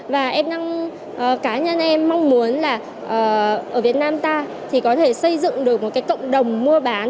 và cá nhân em mong muốn là ở việt nam ta thì có thể xây dựng được một cái cộng đồng mua bán